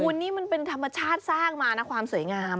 คุณนี่มันเป็นธรรมชาติสร้างมานะความสวยงาม